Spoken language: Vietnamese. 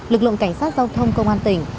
lực lượng cảnh sát giao thông công an tỉnh